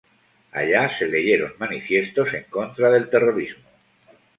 Allá se leyeron manifiestos en contra del terrorismo.